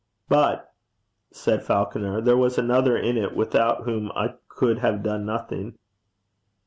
'But,' said Falconer, 'there was another in it, without whom I could have done nothing.'